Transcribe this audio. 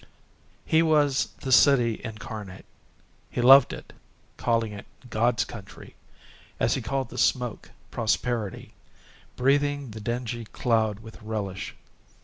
He was the city incarnate. He loved it, calling it God's country, as he called the smoke Prosperity, breathing the dingy cloud with relish.